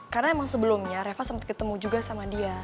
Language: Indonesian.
karena emang sebelumnya reva sempet ketemu juga sama dia